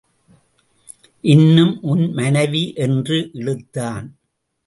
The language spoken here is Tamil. இன்னும் உன் மனைவி என்று இழுத்தான்.